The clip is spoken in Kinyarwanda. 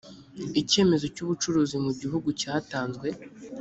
icyemezo cy’ubucuruzi mu gihugu cyatanzwe